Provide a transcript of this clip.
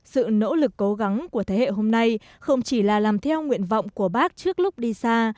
sự nỗ lực cố gắng của thế hệ hôm nay không chỉ là làm theo nguyện vọng của bác trước lúc đi xa